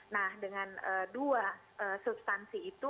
nah dengan dua substansi itu